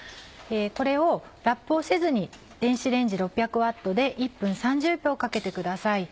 これをラップをせずに電子レンジ６００Ｗで１分３０秒かけてください。